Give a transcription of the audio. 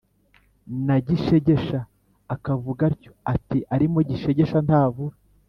na Gishegesha akavuga atyo, ati: “Arimo Gishegesha ntavura”.